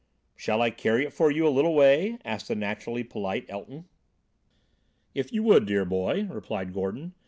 "Shall I carry it for you a little way?" asked the naturally polite Elton. "If you would, dear boy," replied Gordon.